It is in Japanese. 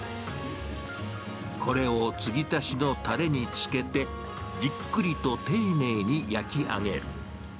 これをつぎ足しのたれにつけてじっくりと丁寧に焼き上げる。